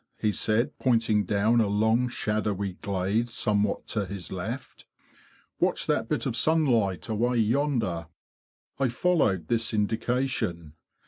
"? he said, pointing down a long shadowy glade somewhat to his left." Watch that bit of sunlight away yonder! " I followed this indication.